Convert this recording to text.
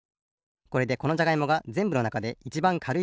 これでこのじゃがいもがぜんぶのなかでいちばんかるいじゃがいも